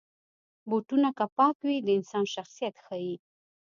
بوټونه که پاک وي، د انسان شخصیت ښيي.